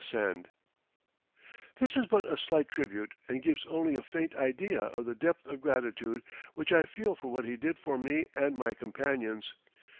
[Illustration: COLONEL JAMES ANDERSON] This is but a slight tribute and gives only a faint idea of the depth of gratitude which I feel for what he did for me and my companions.